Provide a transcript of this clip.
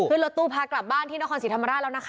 ขึ้นรถตู้พากลับบ้านที่นครศรีธรรมราชแล้วนะคะ